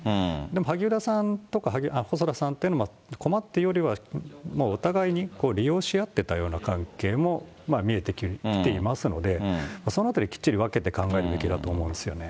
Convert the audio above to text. でも、萩生田さんとか細田さんというのは、駒っていうよりは、もうお互いに利用し合ってたような関係も見えてきていますので、そのあたり、きっちり分けて考えるべきだと思うんですよね。